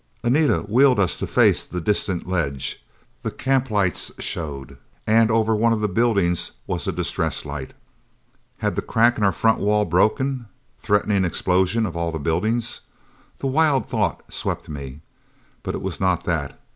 Anita wheeled us to face the distant ledge. The camp lights showed, and over one of the buildings was a distress light! Had the crack in our front wall broken, threatening explosion of all the buildings? The wild thought swept me. But it was not that.